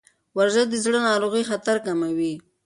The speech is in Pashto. ورزش د زړه ناروغیو خطر کموي.